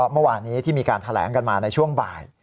เมื่อวานนี้ที่มีการแถลงกันมาในช่วงบ่าย